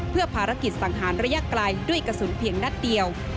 เพื่อภารกิจสังหารระยะไกลด้วยกระสุนเพียงนัดเดียว